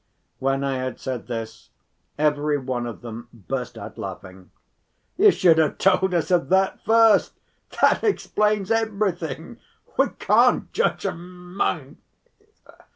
When I had said this every one of them burst out laughing. "You should have told us of that first, that explains everything, we can't judge a monk."